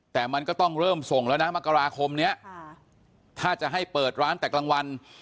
แต่มันก็ต้องเริ่มส่งแล้วนะมกราคมนี้ถ้าจะให้เปิดร้านแต่กลางวัน